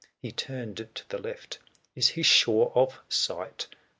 485 He turned to the left — is he sure of sight